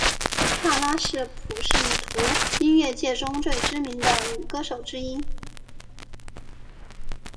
帕拉是普什图音乐界中最知名的女歌手之一。